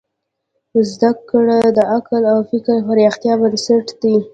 زدهکړه د عقل او فکر پراختیا بنسټ دی.